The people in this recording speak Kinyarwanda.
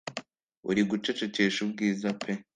Uri gucecekesha ubwiza pe